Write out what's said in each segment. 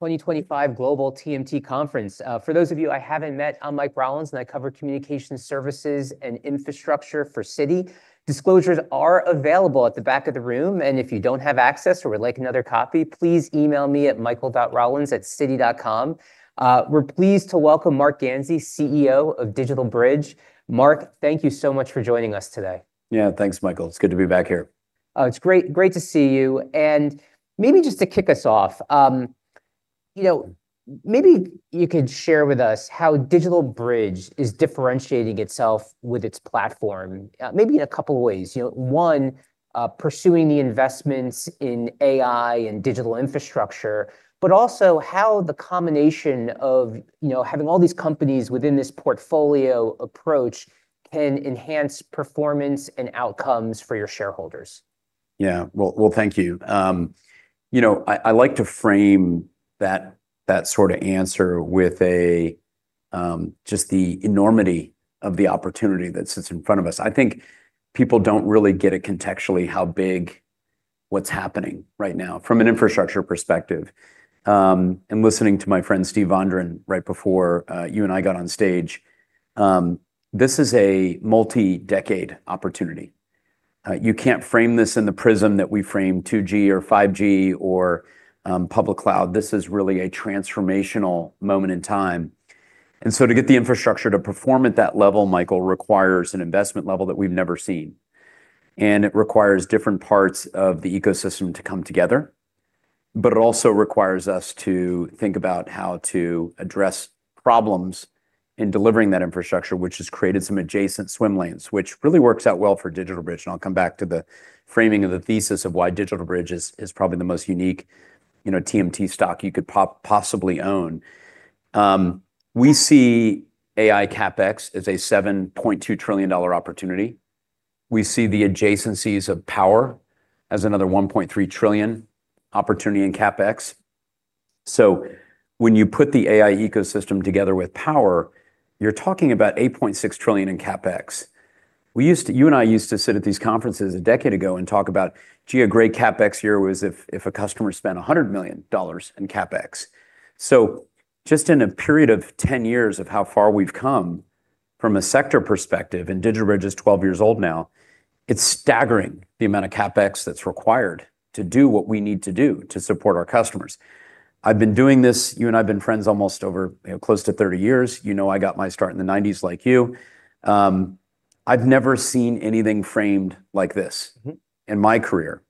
2025 Global TMT Conference. For those of you I haven't met, I'm Mike Rollins, and I cover communication services and infrastructure for Citi. Disclosures are available at the back of the room, and if you don't have access or would like another copy, please email me at michael.rollins@citi.com. We're pleased to welcome Marc Ganzi, CEO of DigitalBridge. Marc, thank you so much for joining us today. Yeah, thanks, Michael. It's good to be back here. Oh, it's great, great to see you. And maybe just to kick us off, you know, maybe you could share with us how DigitalBridge is differentiating itself with its platform, maybe in a couple of ways. You know, one, pursuing the investments in AI and digital infrastructure, but also how the combination of, you know, having all these companies within this portfolio approach can enhance performance and outcomes for your shareholders. Yeah, well, thank you. You know, I like to frame that sort of answer with just the enormity of the opportunity that sits in front of us. I think people don't really get it contextually how big what's happening right now from an infrastructure perspective, and listening to my friend Steven Vondran right before you and I got on stage, this is a multi-decade opportunity. You can't frame this in the prism that we frame 2G or 5G or public cloud. This is really a transformational moment in time, and so to get the infrastructure to perform at that level, Michael, requires an investment level that we've never seen, and it requires different parts of the ecosystem to come together, but it also requires us to think about how to address problems in delivering that infrastructure, which has created some adjacent swim lanes, which really works out well for DigitalBridge. And I'll come back to the framing of the thesis of why DigitalBridge is probably the most unique, you know, TMT stock you could possibly own. We see AI CapEx as a $7.2 trillion opportunity. We see the adjacencies of power as another $1.3 trillion opportunity in CapEx. So when you put the AI ecosystem together with power, you're talking about $8.6 trillion in CapEx. You and I used to sit at these conferences a decade ago and talk about, gee, a great CapEx year was if a customer spent $100 million in CapEx. So just in a period of 10 years of how far we've come from a sector perspective, and DigitalBridge is 12 years old now, it's staggering the amount of CapEx that's required to do what we need to do to support our customers. I've been doing this. You and I have been friends almost over close to 30 years. You know, I got my start in the 1990s like you. I've never seen anything framed like this in my career,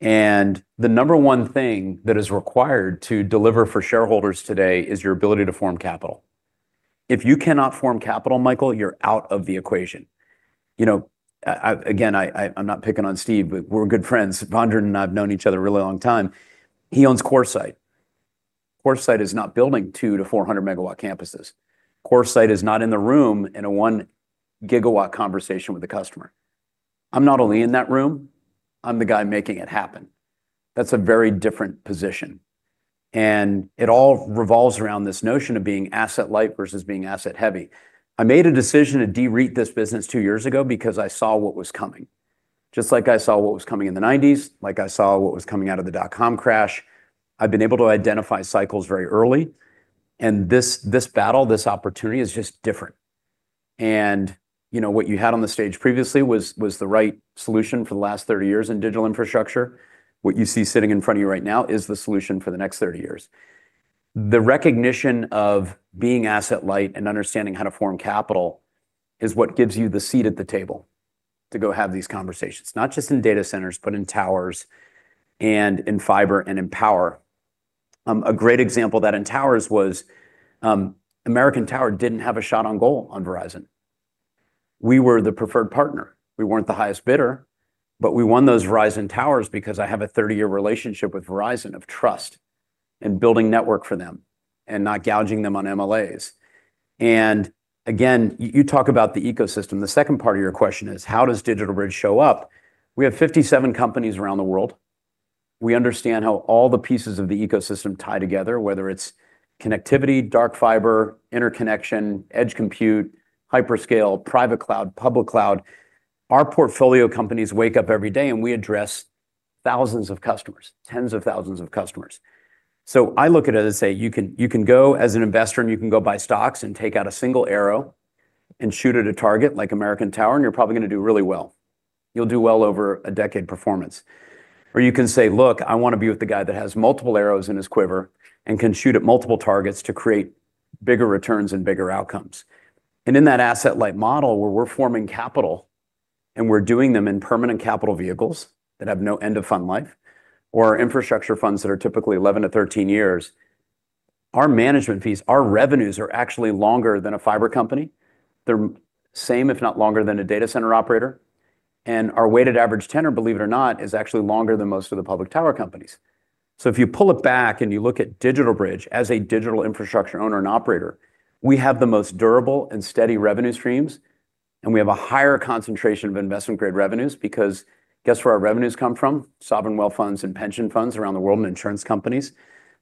and the number one thing that is required to deliver for shareholders today is your ability to form capital. If you cannot form capital, Michael, you're out of the equation. You know, again, I'm not picking on Steve, but we're good friends. Vondran and I have known each other a really long time. He owns CoreSite. CoreSite is not building 200 MW-400-MW campuses. CoreSite is not in the room in a 1-GW conversation with a customer. I'm not only in that room, I'm the guy making it happen. That's a very different position, and it all revolves around this notion of being asset-light versus being asset-heavy. I made a decision to de-rate this business two years ago because I saw what was coming. Just like I saw what was coming in the '90s, like I saw what was coming out of the dot-com crash, I've been able to identify cycles very early, and this battle, this opportunity is just different. And, you know, what you had on the stage previously was the right solution for the last 30 years in digital infrastructure. What you see sitting in front of you right now is the solution for the next 30 years. The recognition of being asset-light and understanding how to form capital is what gives you the seat at the table to go have these conversations, not just in data centers, but in towers and in fiber and in power. A great example of that in towers was American Tower didn't have a shot on goal on Verizon. We were the preferred partner. We weren't the highest bidder, but we won those Verizon towers because I have a 30-year relationship with Verizon of trust and building network for them and not gouging them on MLAs, and again, you talk about the ecosystem. The second part of your question is, how does DigitalBridge show up? We have 57 companies around the world. We understand how all the pieces of the ecosystem tie together, whether it's connectivity, dark fiber, interconnection, edge compute, hyperscale, private cloud, public cloud. Our portfolio companies wake up every day, and we address thousands of customers, tens of thousands of customers. I look at it and say, you can go as an investor and you can go buy stocks and take out a single arrow and shoot at a target like American Tower and you're probably going to do really well. You'll do well over a decade performance. You can say, look, I want to be with the guy that has multiple arrows in his quiver and can shoot at multiple targets to create bigger returns and bigger outcomes. In that asset-light model where we're forming capital and we're doing them in permanent capital vehicles that have no end of fund life or infrastructure funds that are typically 11 to 13 years, our management fees, our revenues are actually longer than a fiber company. They're same, if not longer, than a data center operator. And our weighted average tenor, believe it or not, is actually longer than most of the public tower companies. So if you pull it back and you look at DigitalBridge as a digital infrastructure owner and operator, we have the most durable and steady revenue streams, and we have a higher concentration of investment-grade revenues because guess where our revenues come from? Sovereign wealth funds and pension funds around the world and insurance companies.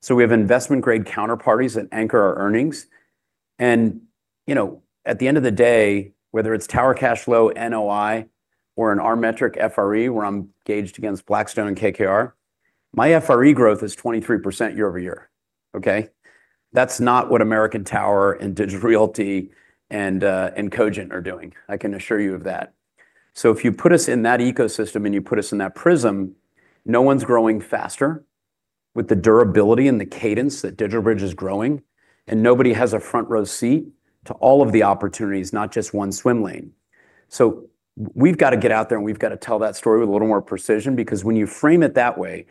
So we have investment-grade counterparties that anchor our earnings. And, you know, at the end of the day, whether it's Tower Cash Flow, NOI, or an R-metric FRE where I'm gauged against Blackstone and KKR, my FRE growth is 23% year-over-year. Okay? That's not what American Tower and Digital Realty and Cogent are doing. I can assure you of that. So if you put us in that ecosystem and you put us in that prism, no one's growing faster with the durability and the cadence that DigitalBridge is growing, and nobody has a front-row seat to all of the opportunities, not just one swim lane. So we've got to get out there and we've got to tell that story with a little more precision because when you frame it that way,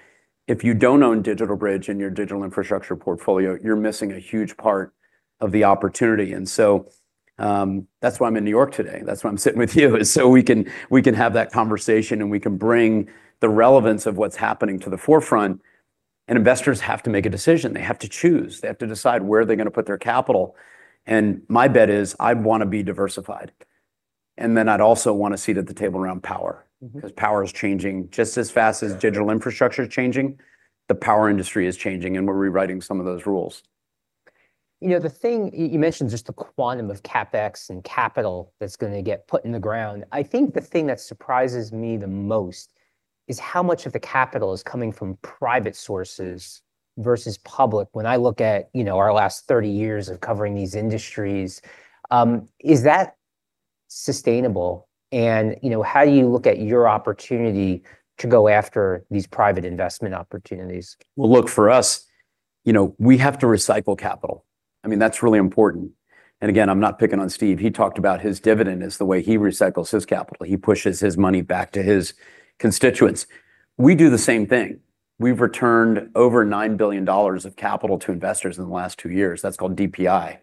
if you don't own DigitalBridge in your digital infrastructure portfolio, you're missing a huge part of the opportunity. And so that's why I'm in New York today. That's why I'm sitting with you is so we can have that conversation and we can bring the relevance of what's happening to the forefront. And investors have to make a decision. They have to choose. They have to decide where they're going to put their capital. My bet is, I want to be diversified. I'd also want a seat at the table around power because power is changing just as fast as digital infrastructure is changing. The power industry is changing and we're rewriting some of those rules. You know, the thing you mentioned is just the quantum of CapEx and capital that's going to get put in the ground. I think the thing that surprises me the most is how much of the capital is coming from private sources versus public. When I look at, you know, our last 30 years of covering these industries, is that sustainable? And, you know, how do you look at your opportunity to go after these private investment opportunities? Look, for us, you know, we have to recycle capital. I mean, that's really important. Again, I'm not picking on Steve. He talked about his dividend as the way he recycles his capital. He pushes his money back to his constituents. We do the same thing. We've returned over $9 billion of capital to investors in the last two years. That's called DPI.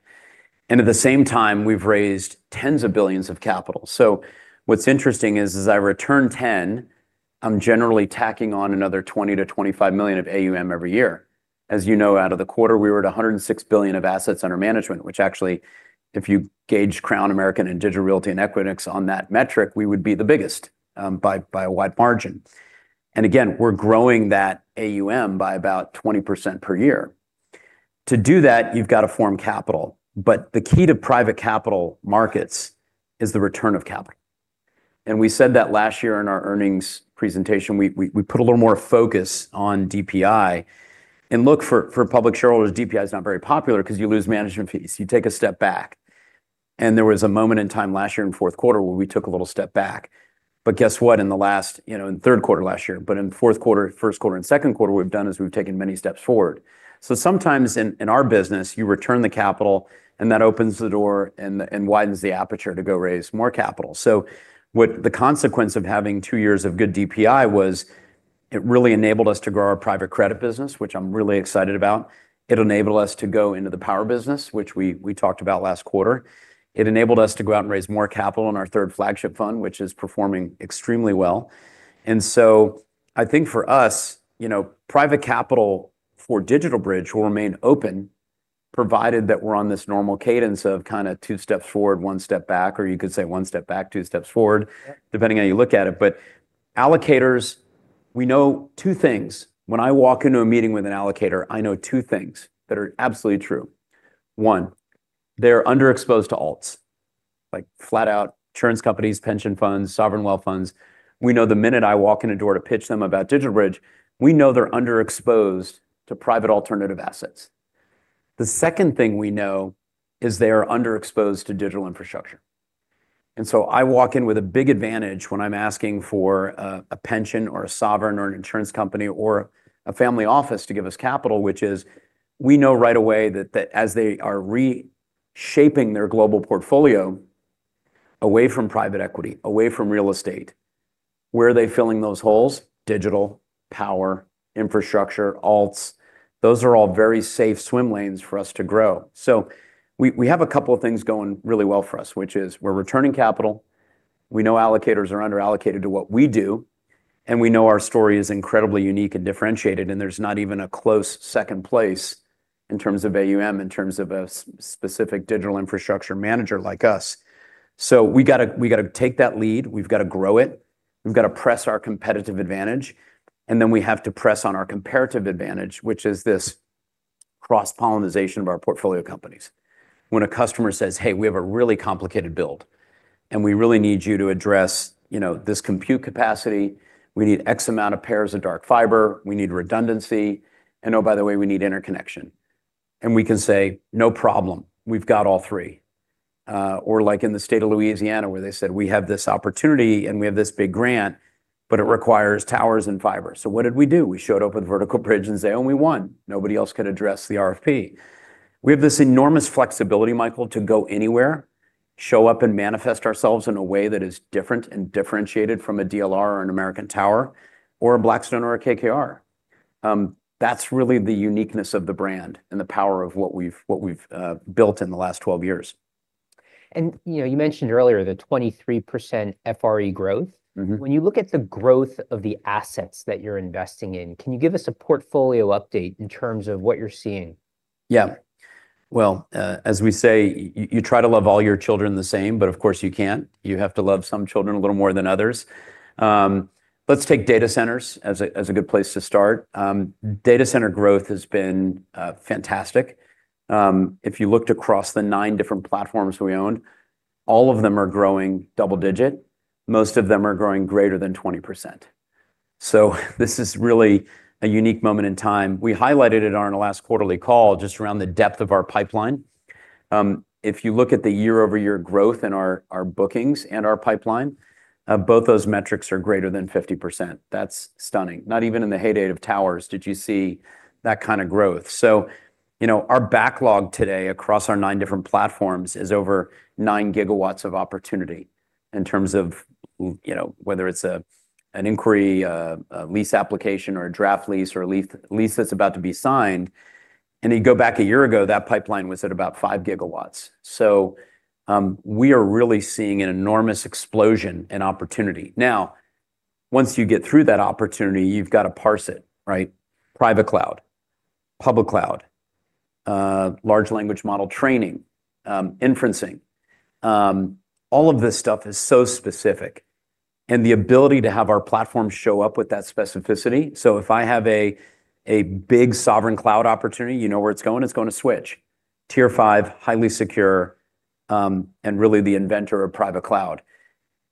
At the same time, we've raised tens of billions of capital. What's interesting is as I return $10 billion, I'm generally tacking on another $20 million-$25 million of AUM every year. As you know, out of the quarter, we were at $106 billion of assets under management, which actually, if you gauge Crown, American, and Digital Realty and Equinix on that metric, we would be the biggest by a wide margin. Again, we're growing that AUM by about 20% per year. To do that, you've got to form capital. But the key to private capital markets is the return of capital. And we said that last year in our earnings presentation, we put a little more focus on DPI. And look, for public shareholders, DPI is not very popular because you lose management fees. You take a step back. And there was a moment in time last year in fourth quarter where we took a little step back. But guess what? In the last, you know, in third quarter last year, but in fourth quarter, first quarter, and second quarter, what we've done is we've taken many steps forward. So sometimes in our business, you return the capital and that opens the door and widens the aperture to go raise more capital. The consequence of having two years of good DPI was it really enabled us to grow our private credit business, which I'm really excited about. It enabled us to go into the power business, which we talked about last quarter. It enabled us to go out and raise more capital in our third flagship fund, which is performing extremely well. And so I think for us, you know, private capital for DigitalBridge will remain open, provided that we're on this normal cadence of kind of two steps forward, one step back, or you could say one step back, two steps forward, depending on how you look at it. But allocators, we know two things. When I walk into a meeting with an allocator, I know two things that are absolutely true. One, they're underexposed to alts, like flat-out insurance companies, pension funds, sovereign wealth funds. We know the minute I walk in a door to pitch them about DigitalBridge, we know they're underexposed to private alternative assets. The second thing we know is they are underexposed to digital infrastructure. And so I walk in with a big advantage when I'm asking for a pension or a sovereign or an insurance company or a family office to give us capital, which is we know right away that as they are reshaping their global portfolio away from private equity, away from real estate, where are they filling those holes? Digital, power, infrastructure, alts. Those are all very safe swim lanes for us to grow. So we have a couple of things going really well for us, which is we're returning capital. We know allocators are underallocated to what we do, and we know our story is incredibly unique and differentiated, and there's not even a close second place in terms of AUM, in terms of a specific digital infrastructure manager like us. So we got to take that lead. We've got to grow it. We've got to press our competitive advantage. And then we have to press on our comparative advantage, which is this cross-polarization of our portfolio companies. When a customer says, "Hey, we have a really complicated build, and we really need you to address, you know, this compute capacity. We need X amount of pairs of dark fiber. We need redundancy. And oh, by the way, we need interconnection." And we can say, "No problem. We've got all three." Or like in the State of Louisiana where they said, "We have this opportunity and we have this big grant, but it requires towers and fiber." So what did we do? We showed up with Vertical Bridge and say, "Oh, we won. Nobody else could address the RFP." We have this enormous flexibility, Michael, to go anywhere, show up and manifest ourselves in a way that is different and differentiated from a DLR or an American Tower or a Blackstone or a KKR. That's really the uniqueness of the brand and the power of what we've built in the last 12 years. You know, you mentioned earlier the 23% FRE growth. When you look at the growth of the assets that you're investing in, can you give us a portfolio update in terms of what you're seeing? Yeah. Well, as we say, you try to love all your children the same, but of course you can't. You have to love some children a little more than others. Let's take data centers as a good place to start. Data center growth has been fantastic. If you looked across the nine different platforms we owned, all of them are growing double-digit. Most of them are growing greater than 20%. So this is really a unique moment in time. We highlighted it on our last quarterly call just around the depth of our pipeline. If you look at the year-over-year growth in our bookings and our pipeline, both those metrics are greater than 50%. That's stunning. Not even in the heyday of towers did you see that kind of growth. So, you know, our backlog today across our nine different platforms is over nine gigawatts of opportunity in terms of, you know, whether it's an inquiry, a lease application, or a draft lease, or a lease that's about to be signed. And if you go back a year ago, that pipeline was at about five gigawatts. So we are really seeing an enormous explosion in opportunity. Now, once you get through that opportunity, you've got to parse it, right? Private cloud, public cloud, large language model training, inferencing. All of this stuff is so specific. And the ability to have our platform show up with that specificity. So if I have a big sovereign cloud opportunity, you know where it's going? It's going to Switch. Tier 5, highly secure, and really the inventor of private cloud.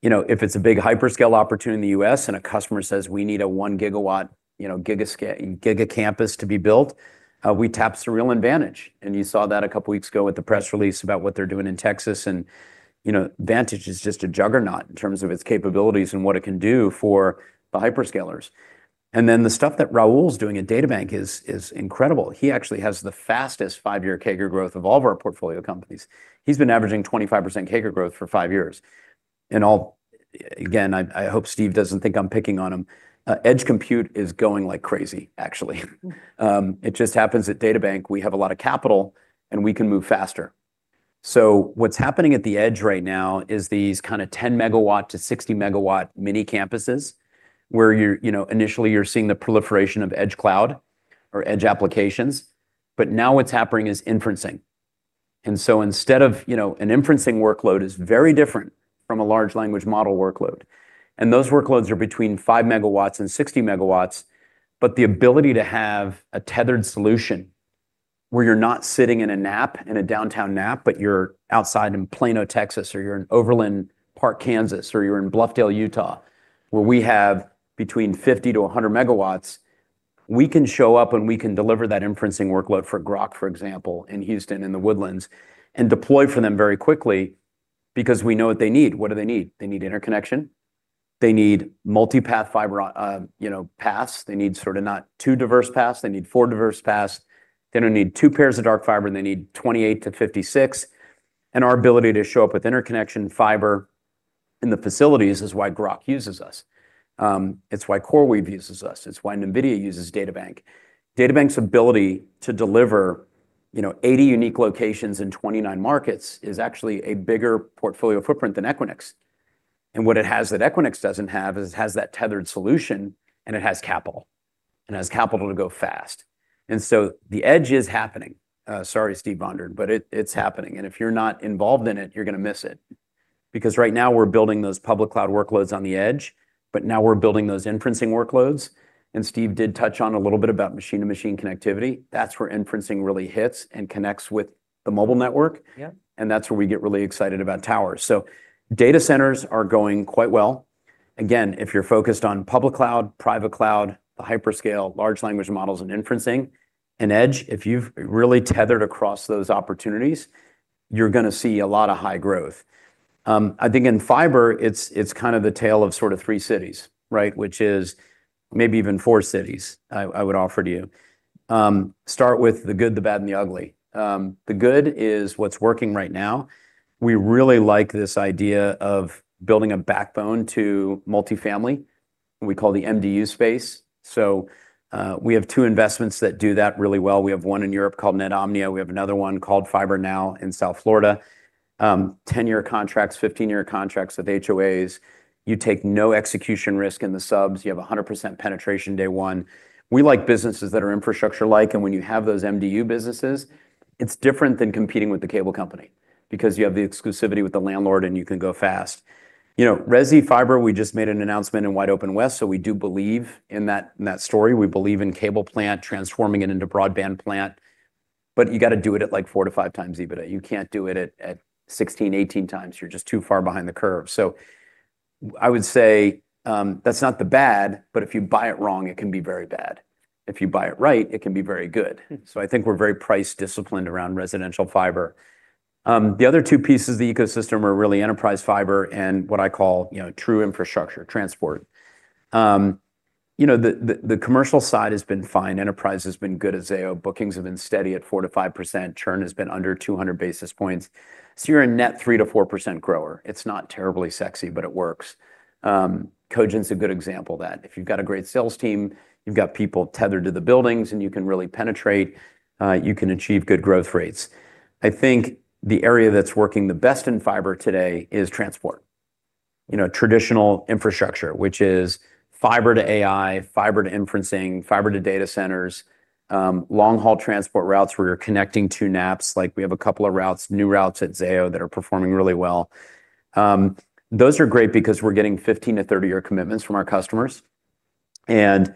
You know, if it's a big hyperscale opportunity in the U.S. And a customer says, "We need a 1 GW, you know, giga campus to be built." We tap Sureel in Vantage. And you saw that a couple of weeks ago with the press release about what they're doing in Texas. And, you know, Vantage is just a juggernaut in terms of its capabilities and what it can do for the hyperscalers. And then the stuff that Raul's doing at DataBank is incredible. He actually has the fastest five-year CAGR growth of all of our portfolio companies. He's been averaging 25% CAGR growth for five years. And all, again, I hope Steve doesn't think I'm picking on him. Edge compute is going like crazy, actually. It just happens at DataBank, we have a lot of capital and we can move faster. So what's happening at the edge right now is these kind of 10 MW-60 MW mini campuses where you're, you know, initially you're seeing the proliferation of edge cloud or edge applications. But now what's happening is inferencing. And so instead of, you know, an inferencing workload is very different from a large language model workload. And those workloads are between 5 MW and 60 MW. But the ability to have a tethered solution where you're not sitting in a NAP, in a downtown NAP, but you're outside in Plano, Texas, or you're in Overland Park, Kansas, or you're in Bluffdale, Utah, where we have between 50 MW-100, we can show up and we can deliver that inferencing workload for Groq, for example, in Houston, in The Woodlands, and deploy for them very quickly because we know what they need. What do they need? They need interconnection. They need multi-path fiber, you know, paths. They need sort of not too diverse paths. They need four diverse paths. They don't need two pairs of dark fiber. They need 28 to 56. And our ability to show up with interconnection fiber in the facilities is why Groq uses us. It's why CoreWeave uses us. It's why NVIDIA uses DataBank. DataBank's ability to deliver, you know, 80 unique locations in 29 markets is actually a bigger portfolio footprint than Equinix. And what it has that Equinix doesn't have is it has that tethered solution and it has capital. And it has capital to go fast. And so the edge is happening. Sorry, Steve Vondran, but it's happening. And if you're not involved in it, you're going to miss it. Because right now we're building those public cloud workloads on the edge, but now we're building those inferencing workloads, and Steve did touch on a little bit about machine-to-machine connectivity. That's where inferencing really hits and connects with the mobile network. And that's where we get really excited about towers. So data centers are going quite well. Again, if you're focused on public cloud, private cloud, the hyperscale, large language models and inferencing, and edge, if you've really tethered across those opportunities, you're going to see a lot of high growth. I think in fiber, it's kind of the tale of sort of three cities, right? Which is maybe even four cities, I would offer to you. Start with the good, the bad, and the ugly. The good is what's working right now. We really like this idea of building a backbone to multifamily. We call the MDU space. We have two investments that do that really well. We have one in Europe called Netomnia. We have another one called FiberNow in South Florida. 10-year contracts, 15-year contracts with HOAs. You take no execution risk in the subs. You have 100% penetration day one. We like businesses that are infrastructure-like. When you have those MDU businesses, it's different than competing with the cable company because you have the exclusivity with the landlord and you can go fast. You know, RESI Fiber, we just made an announcement in WideOpenWest, so we do believe in that story. We believe in cable plant, transforming it into broadband plant. But you got to do it at like four to five times EBITDA. You can't do it at 16 to 18 times. You're just too far behind the curve. So I would say that's not the bad, but if you buy it wrong, it can be very bad. If you buy it right, it can be very good. So I think we're very price disciplined around residential fiber. The other two pieces of the ecosystem are really enterprise fiber and what I call, you know, true infrastructure transport. You know, the commercial side has been fine. Enterprise has been good at Zayo. Bookings have been steady at 4%-5%. Churn has been under 200 basis points. So you're a net 3%-4% grower. It's not terribly sexy, but it works. Cogent's a good example of that. If you've got a great sales team, you've got people tethered to the buildings and you can really penetrate, you can achieve good growth rates. I think the area that's working the best in fiber today is transport. You know, traditional infrastructure, which is fiber to AI, fiber to inferencing, fiber to data centers, long-haul transport routes where you're connecting two NAPs. Like, we have a couple of routes, new routes at Zayo that are performing really well. Those are great because we're getting 15- to 30-year commitments from our customers. And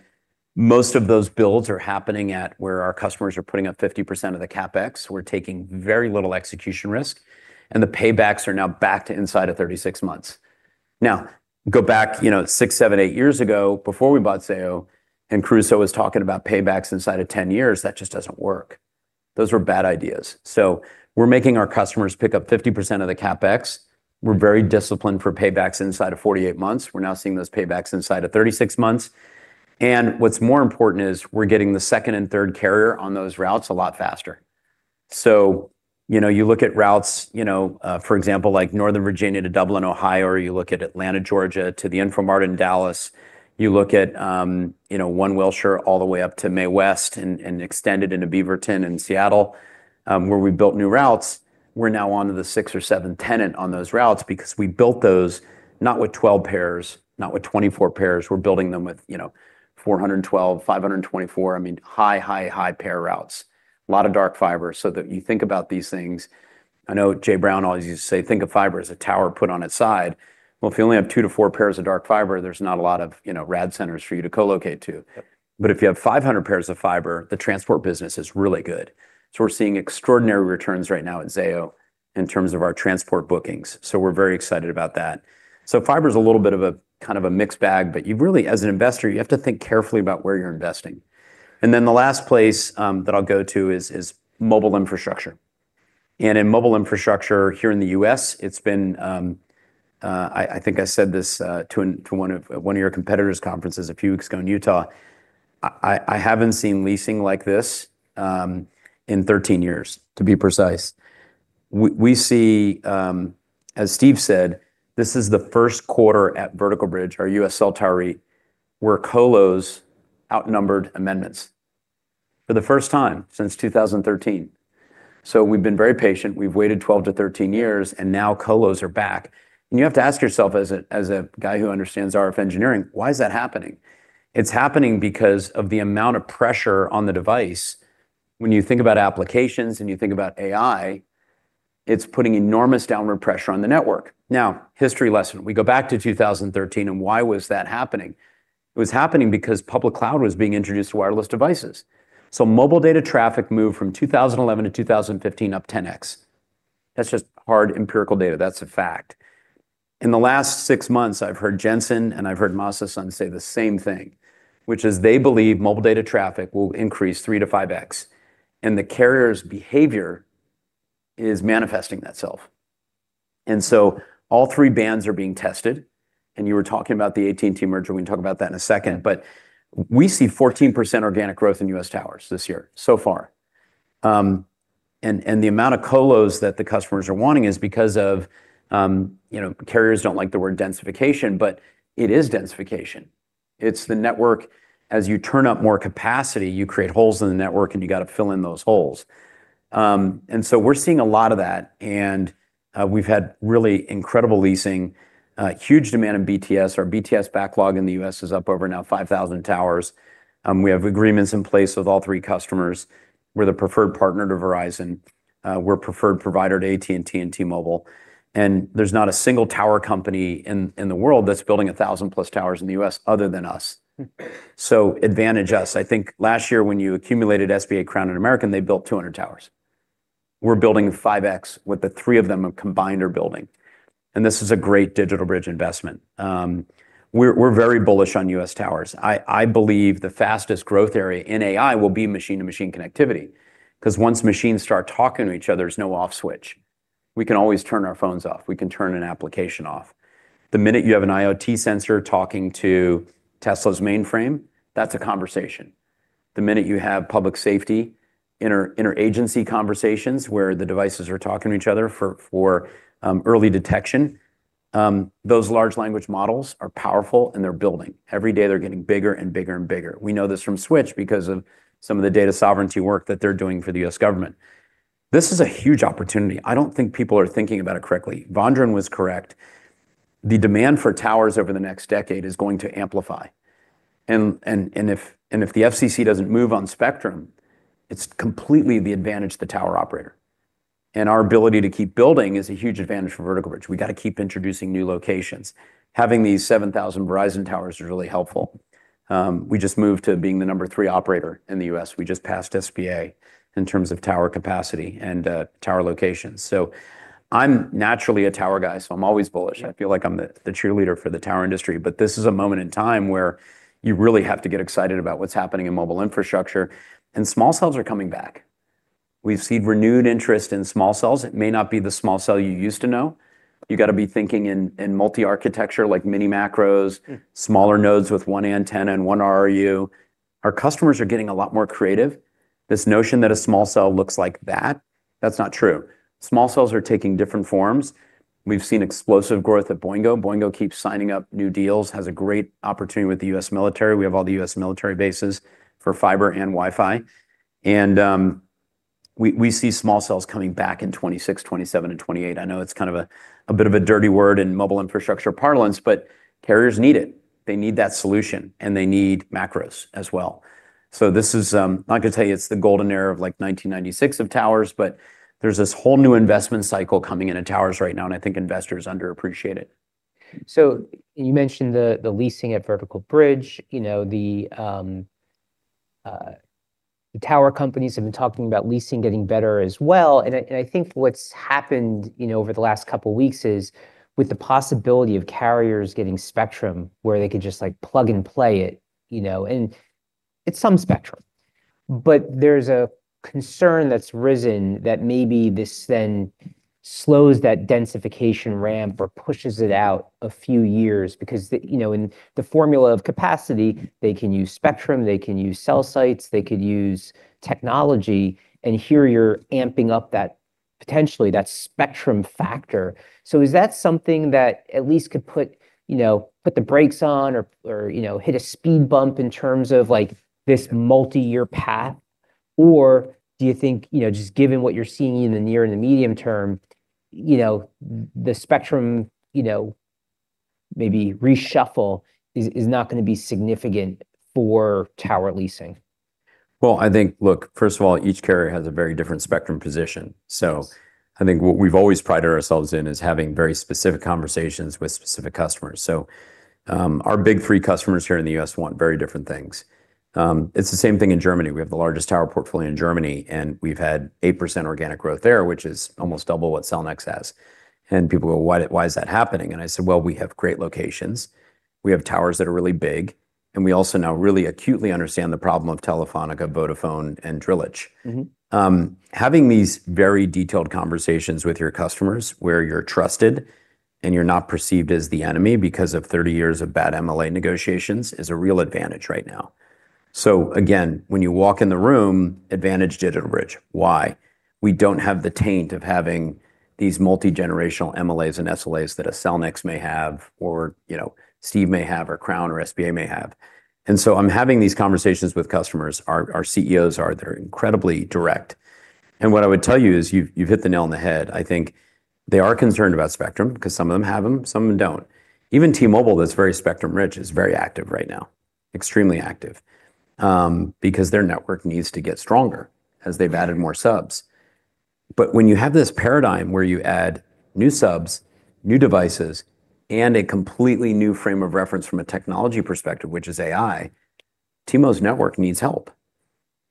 most of those builds are happening at where our customers are putting up 50% of the CapEx. We're taking very little execution risk. And the paybacks are now back to inside of 36 months. Now, go back, you know, six, seven, eight years ago before we bought Zayo and Caruso was talking about paybacks inside of 10 years. That just doesn't work. Those were bad ideas. So we're making our customers pick up 50% of the CapEx. We're very disciplined for paybacks inside of 48 months. We're now seeing those paybacks inside of 36 months. What's more important is we're getting the second and third carrier on those routes a lot faster. So, you know, you look at routes, you know, for example, like Northern Virginia to Dublin, Ohio, or you look at Atlanta, Georgia to the InfoMart in Dallas. You look at, you know, One Wilshire all the way up to MAE-West and extended into Beaverton and Seattle where we built new routes. We're now on to the six or seven tenant on those routes because we built those not with 12 pairs, not with 24 pairs. We're building them with, you know, 412, 524, I mean, high, high, high pair routes. A lot of dark fiber. So that you think about these things. I know Jay Brown always used to say, "Think of fiber as a tower put on its side." Well, if you only have two to four pairs of dark fiber, there's not a lot of, you know, data centers for you to colocate to. But if you have 500 pairs of fiber, the transport business is really good. So we're seeing extraordinary returns right now at Zayo in terms of our transport bookings. So we're very excited about that. So fiber is a little bit of a kind of a mixed bag, but you really, as an investor, you have to think carefully about where you're investing. And then the last place that I'll go to is mobile infrastructure. In mobile infrastructure here in the U.S., it's been, I think I said this to one of your competitors' conferences a few weeks ago in Utah, I haven't seen leasing like this in 13 years, to be precise. We see, as Steve said, this is the first quarter at Vertical Bridge, our U.S. cell tower, where colos outnumbered amendments for the first time since 2013. So we've been very patient. We've waited 12 to 13 years, and now colos are back. And you have to ask yourself, as a guy who understands RF engineering, why is that happening? It's happening because of the amount of pressure on the device. When you think about applications and you think about AI, it's putting enormous downward pressure on the network. Now, history lesson. We go back to 2013 and why was that happening? It was happening because public cloud was being introduced to wireless devices. So mobile data traffic moved from 2011 to 2015 up 10x. That's just hard empirical data. That's a fact. In the last six months, I've heard Jensen and I've heard Masayoshi say the same thing, which is they believe mobile data traffic will increase 3x to 5x. And the carrier's behavior is manifesting that self. And so all three bands are being tested. And you were talking about the AT&T merger. We can talk about that in a second. But we see 14% organic growth in U.S. towers this year so far. And the amount of colos that the customers are wanting is because of, you know, carriers don't like the word densification, but it is densification. It's the network. As you turn up more capacity, you create holes in the network and you got to fill in those holes, and so we're seeing a lot of that. And we've had really incredible leasing, huge demand in BTS. Our BTS backlog in the U.S. is up over now 5,000 towers. We have agreements in place with all three customers. We're the preferred partner to Verizon. We're a preferred provider to AT&T and T-Mobile. And there's not a single tower company in the world that's building 1,000 plus towers in the U.S. other than us, so advantage us. I think last year when you accumulated SBA Crown and American, they built 200 towers. We're building 5x with the three of them combined are building. And this is a great DigitalBridge investment. We're very bullish on U.S. towers. I believe the fastest growth area in AI will be machine-to-machine connectivity. Because once machines start talking to each other, there's no off switch. We can always turn our phones off. We can turn an application off. The minute you have an IoT sensor talking to Tesla's mainframe, that's a conversation. The minute you have public safety, interagency conversations where the devices are talking to each other for early detection, those large language models are powerful and they're building. Every day they're getting bigger and bigger and bigger. We know this from Switch because of some of the data sovereignty work that they're doing for the U.S. government. This is a huge opportunity. I don't think people are thinking about it correctly. Vondran was correct. The demand for towers over the next decade is going to amplify. And if the FCC doesn't move on spectrum, it's completely the advantage of the tower operator. And our ability to keep building is a huge advantage for Vertical Bridge. We got to keep introducing new locations. Having these 7,000 Verizon towers is really helpful. We just moved to being the number three operator in the U.S. We just passed SBA in terms of tower capacity and tower locations. So I'm naturally a tower guy, so I'm always bullish. I feel like I'm the cheerleader for the tower industry. But this is a moment in time where you really have to get excited about what's happening in mobile infrastructure. And small cells are coming back. We've seen renewed interest in small cells. It may not be the small cell you used to know. You got to be thinking in multi-architecture like mini macros, smaller nodes with one antenna and one RRU. Our customers are getting a lot more creative. This notion that a small cell looks like that, that's not true. Small cells are taking different forms. We've seen explosive growth at Boingo. Boingo keeps signing up new deals, has a great opportunity with the U.S. military. We have all the U.S. military bases for fiber and Wi-Fi. And we see small cells coming back in 2026, 2027, and 2028. I know it's kind of a bit of a dirty word in mobile infrastructure parlance, but carriers need it. They need that solution and they need macros as well. So this is, I'm not going to tell you it's the golden era of like 1996 of towers, but there's this whole new investment cycle coming into towers right now, and I think investors underappreciate it. So you mentioned the leasing at Vertical Bridge. You know, the tower companies have been talking about leasing getting better as well. And I think what's happened, you know, over the last couple of weeks is with the possibility of carriers getting spectrum where they could just like plug and play it, you know, and it's some spectrum. But there's a concern that's risen that maybe this then slows that densification ramp or pushes it out a few years because, you know, in the formula of capacity, they can use spectrum, they can use cell sites, they could use technology, and here you're amping up that potentially that spectrum factor. So is that something that at least could put, you know, put the brakes on or, you know, hit a speed bump in terms of like this multi-year path? Or do you think, you know, just given what you're seeing in the near and the medium term, you know, the spectrum, you know, maybe reshuffle is not going to be significant for tower leasing? Well, I think, look, first of all, each carrier has a very different spectrum position. So I think what we've always prided ourselves in is having very specific conversations with specific customers. So our big three customers here in the U.S. want very different things. It's the same thing in Germany. We have the largest tower portfolio in Germany, and we've had 8% organic growth there, which is almost double what Cellnex has. And people go, "Why is that happening?" And I said, "Well, we have great locations. We have towers that are really big, and we also now really acutely understand the problem of Telefónica, Vodafone, and Drillisch. Having these very detailed conversations with your customers where you're trusted and you're not perceived as the enemy because of 30 years of bad MLA negotiations is a real advantage right now. So again, when you walk in the room, advantage DigitalBridge. Why? We don't have the taint of having these multi-generational MLAs and SLAs that a Cellnex may have or, you know, Steve may have or Crown or SBA may have. And so I'm having these conversations with customers. Our CEOs are, they're incredibly direct. And what I would tell you is you've hit the nail on the head. I think they are concerned about spectrum because some of them have them, some of them don't. Even T-Mobile, that's very spectrum rich, is very active right now, extremely active, because their network needs to get stronger as they've added more subs. But when you have this paradigm where you add new subs, new devices, and a completely new frame of reference from a technology perspective, which is AI, T-Mobile's network needs help.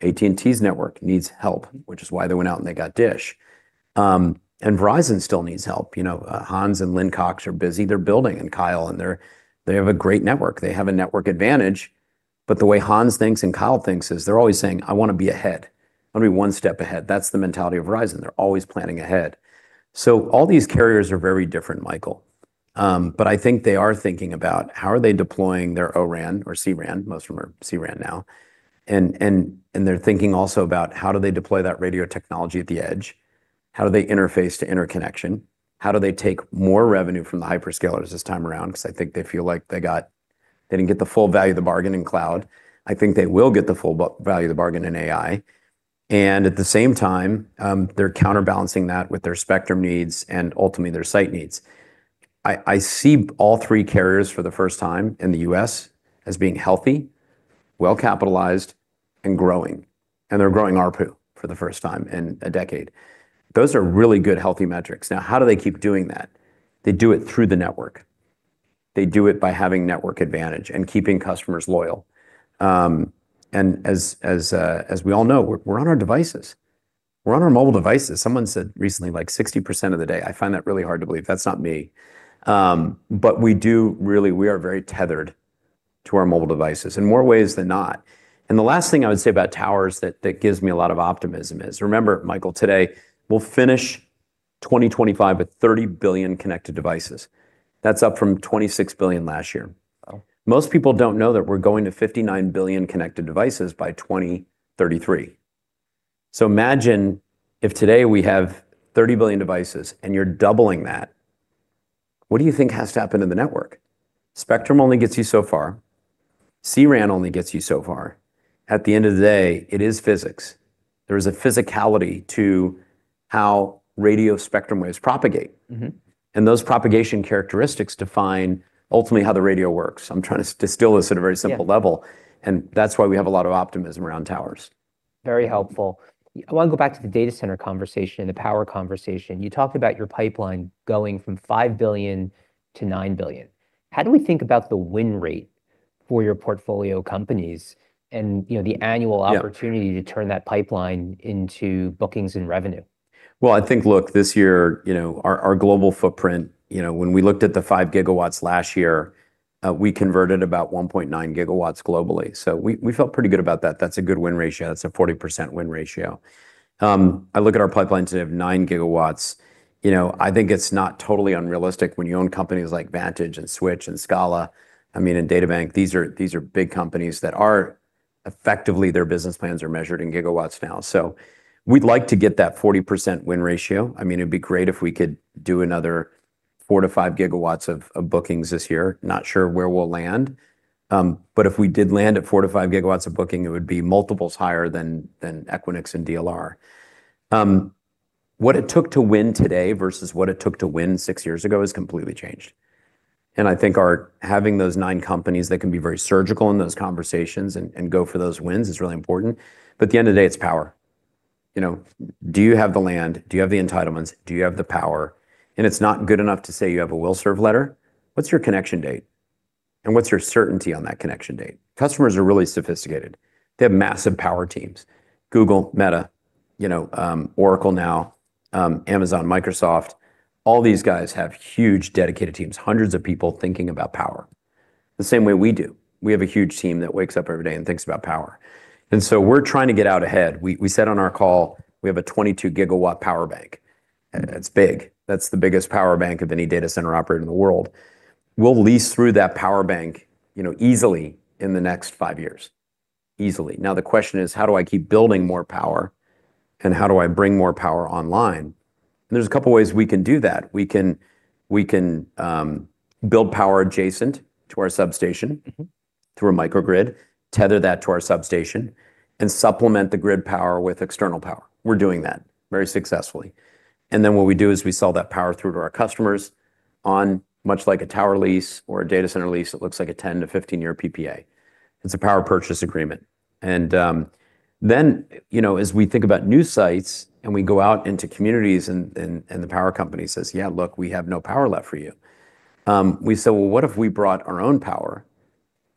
AT&T's network needs help, which is why they went out and they got DISH, and Verizon still needs help. You know, Hans and Lynn Cox are busy. They're building, and Kyle, and they have a great network. They have a network advantage. But the way Hans thinks and Kyle thinks is they're always saying, "I want to be ahead. I want to be one step ahead." That's the mentality of Verizon. They're always planning ahead, so all these carriers are very different, Michael. But I think they are thinking about how are they deploying their O-RAN or C-RAN. Most of them are C-RAN now. And they're thinking also about how do they deploy that radio technology at the edge? How do they interface to interconnection? How do they take more revenue from the hyperscalers this time around? Because I think they feel like they got, they didn't get the full value of the bargain in cloud. I think they will get the full value of the bargain in AI. And at the same time, they're counterbalancing that with their spectrum needs and ultimately their site needs. I see all three carriers for the first time in the U.S. as being healthy, well capitalized, and growing. And they're growing ARPU for the first time in a decade. Those are really good healthy metrics. Now, how do they keep doing that? They do it through the network. They do it by having network advantage and keeping customers loyal, and as we all know, we're on our devices. We're on our mobile devices. Someone said recently, like 60% of the day. I find that really hard to believe. That's not me, but we do really, we are very tethered to our mobile devices in more ways than not, and the last thing I would say about towers that gives me a lot of optimism is, remember, Michael, today we'll finish 2025 with 30 billion connected devices. That's up from 26 billion last year. Most people don't know that we're going to 59 billion connected devices by 2033. So imagine if today we have 30 billion devices and you're doubling that. What do you think has to happen in the network? Spectrum only gets you so far. C-RAN only gets you so far. At the end of the day, it is physics. There is a physicality to how radio spectrum waves propagate, and those propagation characteristics define ultimately how the radio works. I'm trying to distill this at a very simple level, and that's why we have a lot of optimism around towers. Very helpful. I want to go back to the data center conversation, the power conversation. You talked about your pipeline going from $5 billion-$9 billion. How do we think about the win rate for your portfolio companies and, you know, the annual opportunity to turn that pipeline into bookings and revenue? Well, I think, look, this year, you know, our global footprint, you know, when we looked at the 5 GW last year, we converted about 1.9 GW globally. So we felt pretty good about that. That's a good win ratio. That's a 40% win ratio. I look at our pipelines that have nine gigawatts. You know, I think it's not totally unrealistic when you own companies like Vantage and Switch and Scala. I mean, and DataBank, these are big companies that are effectively their business plans are measured in gigawatts now. So we'd like to get that 40% win ratio. I mean, it'd be great if we could do another four to 5 GW of bookings this year. Not sure where we'll land. But if we did land at four to five gigawatts of booking, it would be multiples higher than Equinix and DLR. What it took to win today versus what it took to win six years ago has completely changed, and I think our having those nine companies that can be very surgical in those conversations and go for those wins is really important, but at the end of the day, it's power. You know, do you have the land? Do you have the entitlements? Do you have the power? And it's not good enough to say you have a will serve letter. What's your connection date? And what's your certainty on that connection date? Customers are really sophisticated. They have massive power teams. Google, Meta, you know, Oracle Now, Amazon, Microsoft, all these guys have huge dedicated teams, hundreds of people thinking about power. The same way we do. We have a huge team that wakes up every day and thinks about power. And so we're trying to get out ahead. We said on our call, we have a 22 GW power bank. It's big. That's the biggest power bank of any data center operator in the world. We'll lease through that power bank, you know, easily in the next five years. Easily. Now the question is, how do I keep building more power and how do I bring more power online? And there's a couple of ways we can do that. We can build power adjacent to our substation through a microgrid, tether that to our substation, and supplement the grid power with external power. We're doing that very successfully. And then what we do is we sell that power through to our customers on much like a tower lease or a data center lease. It looks like a 10 to 15-year PPA. It's a power purchase agreement. Then, you know, as we think about new sites and we go out into communities and the power company says, "Yeah, look, we have no power left for you." We say, "Well, what if we brought our own power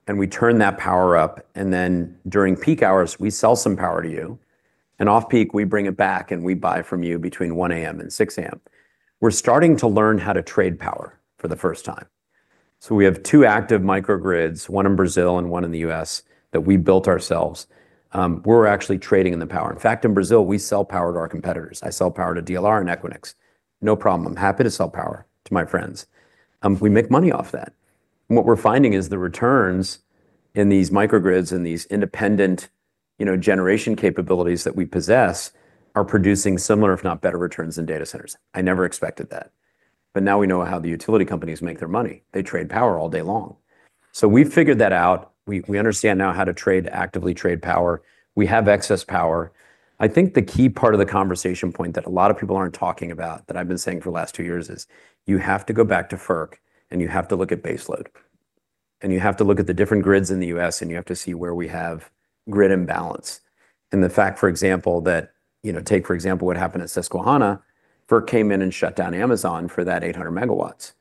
and we turn that power up and then during peak hours we sell some power to you and off peak we bring it back and we buy from you between 1:00 A.M. and 6:00 A.M.?" We're starting to learn how to trade power for the first time. So we have two active microgrids, one in Brazil and one in the U.S. that we built ourselves. We're actually trading in the power. In fact, in Brazil, we sell power to our competitors. I sell power to DLR and Equinix. No problem. I'm happy to sell power to my friends. We make money off that. What we're finding is the returns in these microgrids and these independent, you know, generation capabilities that we possess are producing similar, if not better returns in data centers. I never expected that. But now we know how the utility companies make their money. They trade power all day long. So we've figured that out. We understand now how to actively trade power. We have excess power. I think the key part of the conversation point that a lot of people aren't talking about that I've been saying for the last two years is you have to go back to FERC and you have to look at baseload. And you have to look at the different grids in the U.S. and you have to see where we have grid imbalance. And the fact, for example, that, you know, take for example what happened at Susquehanna, FERC came in and shut down Amazon for that 800 MW.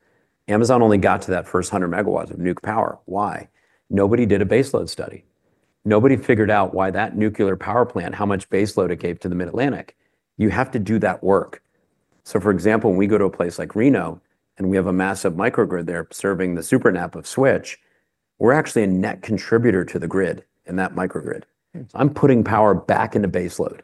Amazon only got to that first 100 MW of nuke power. Why? Nobody did a baseload study. Nobody figured out why that nuclear power plant, how much baseload it gave to the Mid-Atlantic. You have to do that work. So for example, when we go to a place like Reno and we have a massive microgrid there serving the SUPERNAP of Switch, we're actually a net contributor to the grid in that microgrid. So I'm putting power back into baseload.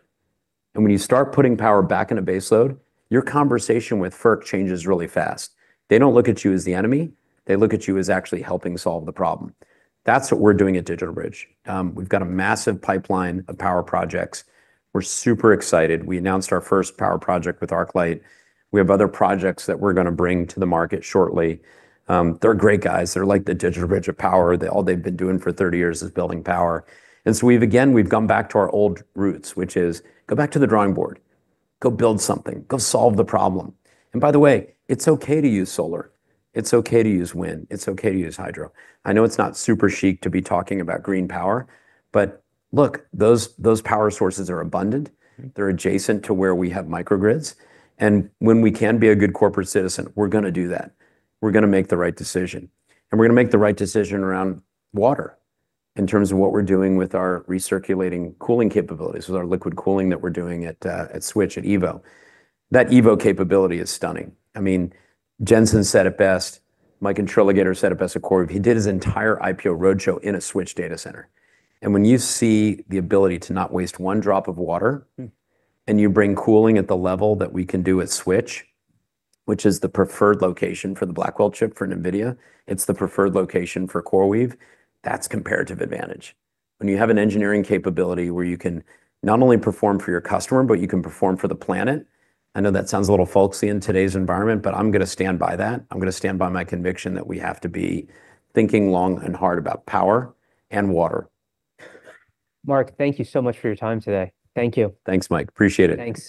And when you start putting power back into baseload, your conversation with FERC changes really fast. They don't look at you as the enemy. They look at you as actually helping solve the problem. That's what we're doing at DigitalBridge. We've got a massive pipeline of power projects. We're super excited. We announced our first power project with ArcLight. We have other projects that we're going to bring to the market shortly. They're great guys. They're like the DigitalBridge of power. All they've been doing for 30 years is building power. And so we've, again, we've gone back to our old roots, which is go back to the drawing board. Go build something. Go solve the problem. And by the way, it's okay to use solar. It's okay to use wind. It's okay to use hydro. I know it's not super chic to be talking about green power, but look, those power sources are abundant. They're adjacent to where we have microgrids. And when we can be a good corporate citizen, we're going to do that. We're going to make the right decision. We're going to make the right decision around water in terms of what we're doing with our recirculating cooling capabilities, with our liquid cooling that we're doing at Switch at Evo. That Evo capability is stunning. I mean, Jensen said it best, Mike Intrator said it best. He did his entire IPO roadshow in a Switch data center. When you see the ability to not waste one drop of water and you bring cooling at the level that we can do at Switch, which is the preferred location for the Blackwell chip for NVIDIA, it's the preferred location for CoreWeave. That's comparative advantage. When you have an engineering capability where you can not only perform for your customer, but you can perform for the planet, I know that sounds a little folksy in today's environment, but I'm going to stand by that. I'm going to stand by my conviction that we have to be thinking long and hard about power and water. Mark, thank you so much for your time today. Thank you. Thanks, Mike. Appreciate it. Thanks.